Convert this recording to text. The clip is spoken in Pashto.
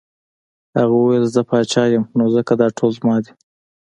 هغه وویل زه پاچا یم نو ځکه دا ټول زما دي.